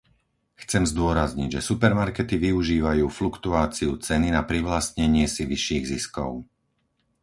Chcem zdôrazniť, že supermarkety využívajú fluktuáciu ceny na privlastnenie si vyšších ziskov.